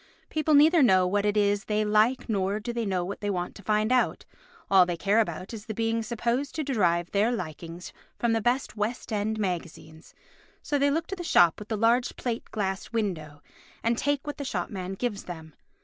People neither know what it is they like nor do they want to find out, all they care about is the being supposed to derive their likings from the best West end magazines, so they look to the shop with the largest plate glass windows and take what the shop man gives them.